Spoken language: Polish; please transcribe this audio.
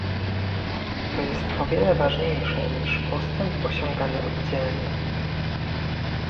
To jest o wiele ważniejsze niż postęp osiągany oddzielnie